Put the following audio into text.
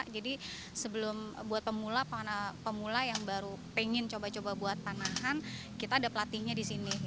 jadi buat pemula yang baru ingin coba coba buat panahan kita ada pelatihnya di sini